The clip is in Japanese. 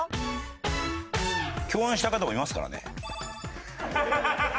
共演した方もいますからね。